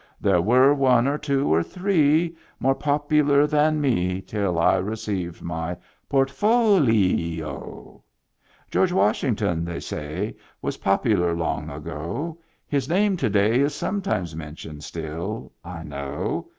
There were one or two or three More popular than me Till I received my portofolee — O. George Washmgton, they say, was popular long ago. His name to day is sometimes mentioned still, I know.